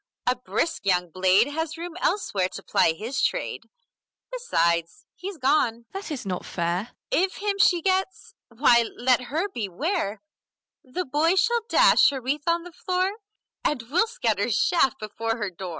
A brisk young blade Has room, elsewhere, to ply his trade. Besides, he's gone. MARGARET That is not fair! LISBETH If him she gets, why let her beware! The boys shall dash her wreath on the floor, And we'll scatter chaff before her door!